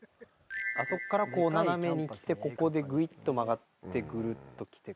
あそこからこう斜めに来てここでグイッと曲がってグルッと来て